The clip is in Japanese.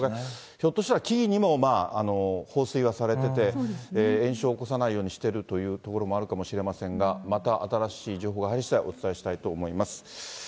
ひょっとしたら木々にも放水はされてて、延焼を起こさないようにしているというところもあるかもしれませんが、また新しい情報が入りしだい、お伝えしたいと思います。